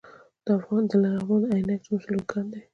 د لغمان عينک د مسو لوی کان دی